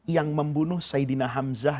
yang membunuh saidina hamzah